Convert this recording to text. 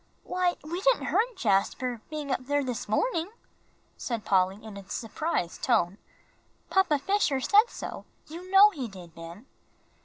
"Why, we didn't hurt Jasper, being up there this morning," said Polly, in a surprised tone; "Papa Fisher said so; you know he did, Ben."